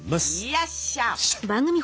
よっしゃ。